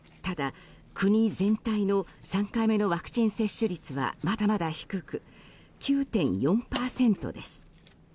ただ、国全体の３回目のワクチン接種率はまだまだ低く９．４％です。